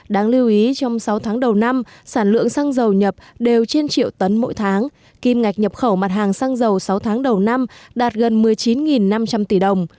đáng lưu ý trong sáu tháng đầu năm sản lượng xăng dầu nhập đều trên triệu tấn mỗi tháng kim ngạch nhập khẩu mặt hàng xăng dầu sáu tháng đầu năm đạt gần một mươi chín năm trăm linh tỷ đồng